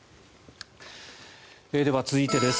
では続いてです。